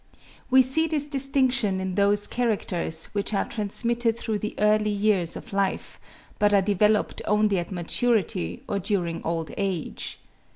We see this distinction in those characters which are transmitted through the early years of life, but are developed only at maturity or during old age.